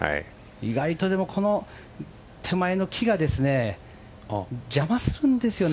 意外とでも、手前の木が邪魔するんですよ。